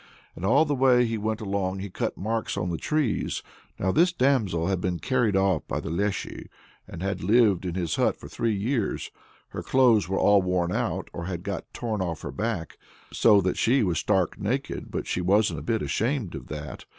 And all the way he went along, he cut marks on the trees. Now this damsel had been carried off by the Léshy, and had lived in his hut for three years her clothes were all worn out, or had got torn off her back, so that she was stark naked but she wasn't a bit ashamed of that.